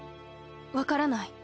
わからない。